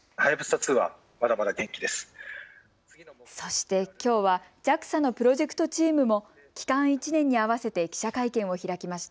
そして、きょうはＪＡＸＡのプロジェクトチームも帰還１年に合わせて記者会見を開きました。